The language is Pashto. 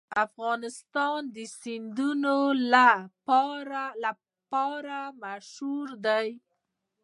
افغانستان د سیندونه لپاره مشهور دی.